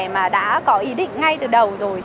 mà đã có ý định ngay từ đầu rồi